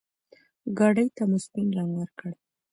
ګاډي ته مو سپين رنګ ورکړ.